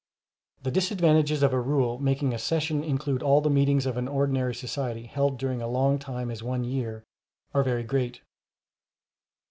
The disadvantages of a rule making a session include all the meetings of an ordinary society, held during a long time as one year, are very great.